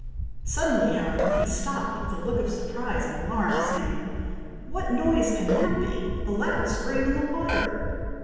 Suddenly, however, he stopped, with a look of surprise and alarm, saying, "What noise can that be! a loud scream in the water!"